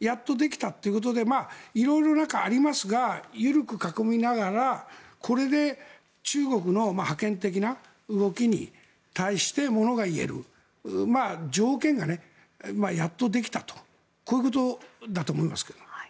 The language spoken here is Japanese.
やっとできたということで色々ありますが緩く囲みながらこれで中国の覇権的な動きに対してものが言える条件がやっとできたとこういうことだと思いますけど。